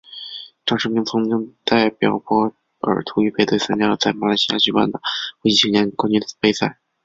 张池明曾经代表波尔图预备队参加了在马来西亚举办的国际青年冠军杯赛。